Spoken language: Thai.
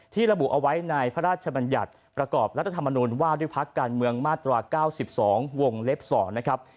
ระบุเอาไว้ในพระราชบัญญัติประกอบรัฐธรรมนุนว่าด้วยพักการเมืองมาตรา๙๒วงเล็บ๒นะครับ